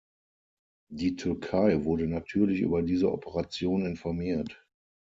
Die Türkei wurde natürlich über diese Operation informiert.